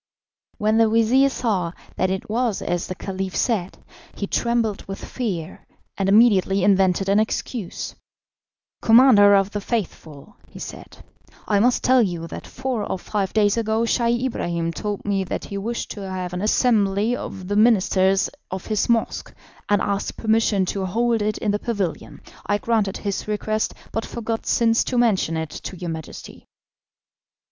When the vizir saw that it was as the Caliph said, he trembled with fear, and immediately invented an excuse. "Commander of the Faithful," he said, "I must tell you that four or five days ago Scheih Ibrahim told me that he wished to have an assembly of the ministers of his mosque, and asked permission to hold it in the pavilion. I granted his request, but forgot since to mention it to your Majesty."